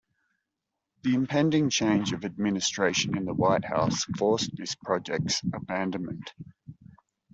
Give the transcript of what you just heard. The impending change of administration in the White House forced this project's abandonment.